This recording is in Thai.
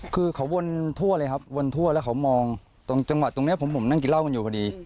คือมันผิดสังเกตอะพี่ผมก็เลยลุกขึ้นไปเย็นดู